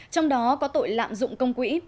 trong đó có tội lạm dụng công quỹ